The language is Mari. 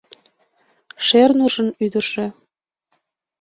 Шернуржын ӱдыржӧ -